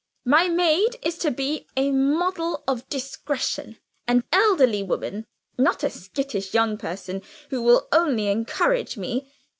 My maid is to be a model of discretion an elderly woman, not a skittish young person who will only encourage me.